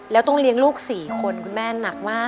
แล้วต้องเลี้ยงลูก๔คนคุณแม่หนักมาก